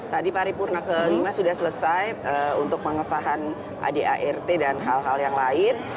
tadi pari purna ke lima sudah selesai untuk pengesahan ad art dan hal hal yang lain